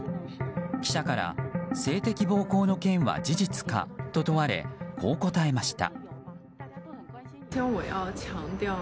記者から性的暴行の件は事実かと問われこう答えました。